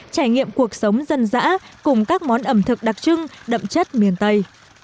trải nghiệm cuộc sống dân dã cùng các món ẩm thực đặc trưng đậm chất miền tây